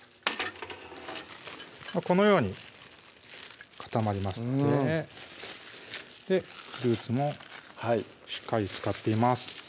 このように固まりますのでフルーツもしっかり漬かっています